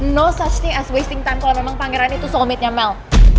no such thing as wasting time kalo memang pangeran itu soulmate nya mel